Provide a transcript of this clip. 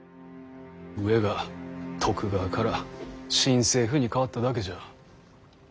上が徳川から新政府に変わっただけじゃ。